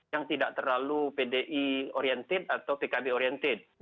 yang tidak terlalu pdi oriented atau pkb oriented